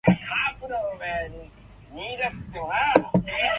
The fee varies greatly depending on the product, manufacturer, and market conditions.